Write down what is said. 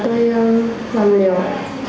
tôi nhận thức